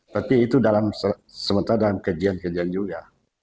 tapi itu dalam sementara dan kejadian kejadian juga